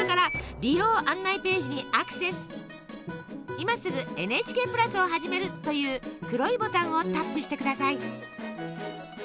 「今すぐＮＨＫプラスをはじめる」という黒いボタンをタップしてください。